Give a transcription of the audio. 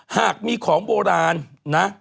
หากมีของโบราณนะ